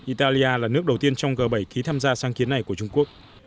italia là nước đầu tiên trong g bảy ký tham gia sáng kiến này của trung quốc